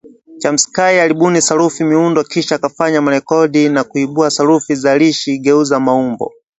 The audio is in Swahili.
Chomsky alibuni Sarufi Miundo kisha akafanya marekebisho na kuibuka na Sarufi Zalishi Geuza Maumbo